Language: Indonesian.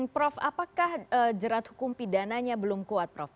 prof apakah jerat hukum pidananya belum kuat prof